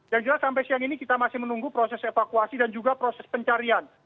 yang jelas sampai siang ini kita masih menunggu proses evakuasi dan juga proses pencarian